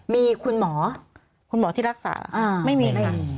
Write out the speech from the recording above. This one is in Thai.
มีคุณหมอคุณหมอที่รักษาไม่มีนะคะ